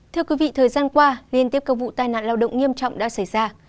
thưa quý vị thời gian qua liên tiếp các vụ tai nạn lao động nghiêm trọng đã xảy ra